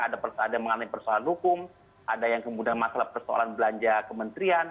ada yang mengalami persoalan hukum ada yang kemudian masalah persoalan belanja kementerian